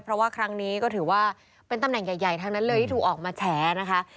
เพราะว่าครั้งนี้ก็ถือว่าเป็นตำแหน่งใหญ่ทั้งนั้นเลยที่ถูกออกมาแฉนะคะ